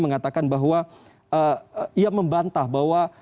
mengatakan bahwa ia membantah bahwa